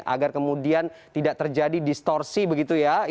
agar kemudian tidak terjadi distorsi begitu ya